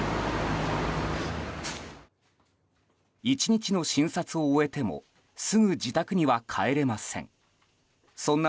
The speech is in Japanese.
１日の診察を終えてもすぐ自宅には帰れません。